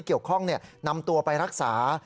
เกี่ยวข้องนำตัวไปรักษา